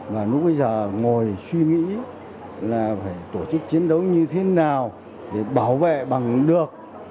và lúc bây giờ ngồi suy nghĩ là phải tổ chức chiến đấu như thế nào để bảo vệ bằng được